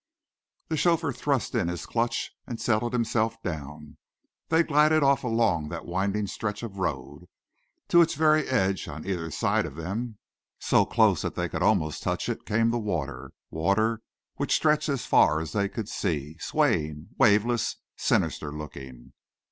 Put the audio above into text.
The chauffeur thrust in his clutch and settled himself down. They glided off along that winding stretch of road. To its very edge, on either side of them, so close that they could almost touch it, came the water, water which stretched as far as they could see, swaying, waveless, sinister looking.